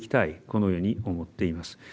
このように思っています。